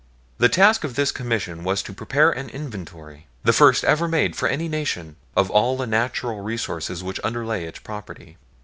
The task of this Commission was to prepare an inventory, the first ever made for any nation, of all the natural resources which underlay its property.